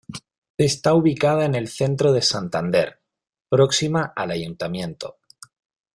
Está ubicada en el centro de Santander, próxima al Ayuntamiento.